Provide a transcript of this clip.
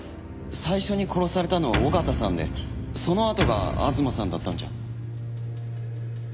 最初に殺されたのは緒方さんでそのあとが吾妻さんだったんじゃ？